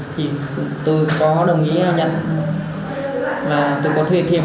thì tôi cũng anh bảo có thuê tôi giá ba mươi năm triệu để phá trên một hectare rừng